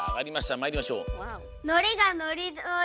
まいりましょう！